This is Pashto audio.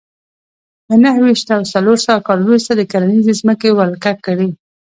له نهه ویشت او څلور سوه کال وروسته د کرنیزې ځمکې ولکه کړې